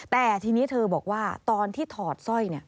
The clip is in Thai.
แต่ทีนี้เธอบอกว่าตอนที่ถอดสร้อย